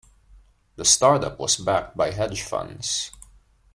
The startup was backed by hedge funds.